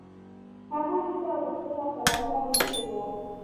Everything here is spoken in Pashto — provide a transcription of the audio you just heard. هغوۍ هيلې او غوښتنې او پلانونه روزلي وو.